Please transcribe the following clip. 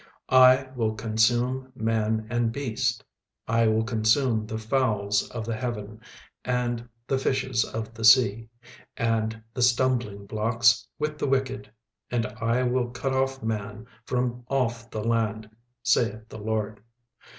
36:001:003 I will consume man and beast; I will consume the fowls of the heaven, and the fishes of the sea, and the stumblingblocks with the wicked: and I will cut off man from off the land, saith the LORD.